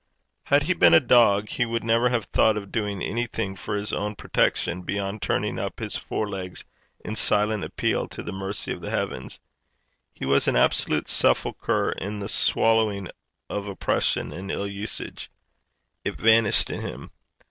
Had he been a dog, he would never have thought of doing anything for his own protection beyond turning up his four legs in silent appeal to the mercy of the heavens. He was an absolute sepulchre in the swallowing of oppression and ill usage. It vanished in him.